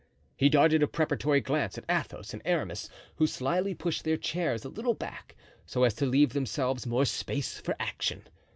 He darted a preparatory glance at Athos and Aramis, who slyly pushed their chairs a little back so as to leave themselves more space for action.